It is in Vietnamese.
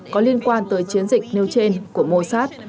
có liên quan tới chiến dịch nielsen của mossad